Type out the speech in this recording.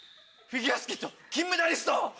フィギュアスケート金メダリスト！